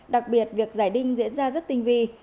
đặc biệt việc giải đinh diễn ra rất tinh vi